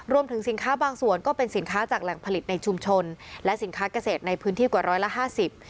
รวมถึงสินค้าบางส่วนก็เป็นสินค้าจากแหล่งผลิตในชุมชนและสินค้าเกษตรในพื้นที่กว่าร้อยละห้าสิบ